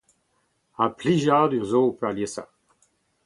Ha plijadur 'zo peurliesañ !